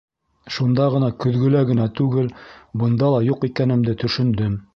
Шунда ғына көҙгөлә генә түгел, бында ла юҡ икәнемде төшөндөм.